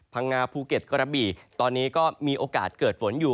พังงาภูเก็ตกระบี่ตอนนี้ก็มีโอกาสเกิดฝนอยู่